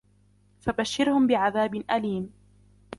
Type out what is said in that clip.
فَبَشِّرْهُمْ بِعَذَابٍ أَلِيمٍ